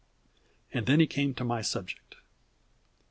And then he came to my subject.